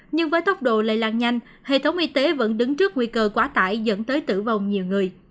nhưng với tốc độ lây lan nhanh hệ thống y tế vẫn đứng trước nguy cơ quá tải dẫn tới tử vong nhiều người